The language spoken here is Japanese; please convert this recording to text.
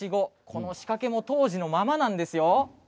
この仕掛けも当時のままなんですよ。